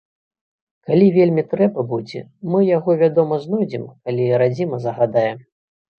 Калі вельмі трэба будзе, мы яго, вядома, знойдзем, калі радзіма загадае.